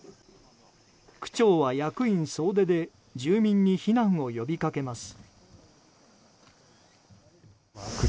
区長は役員総出で住民に避難を呼びかけます。